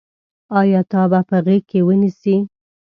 آیا تا به په غېږ کې ونیسي.